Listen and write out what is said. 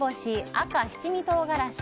赤、七味唐辛子。